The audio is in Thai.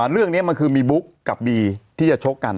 เรื่องนี้มันคือมีบุ๊กกับบีที่จะชกกัน